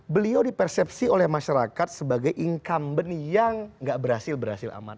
beliau di persepsi oleh masyarakat sebagai incumbent yang gak berhasil berhasil aman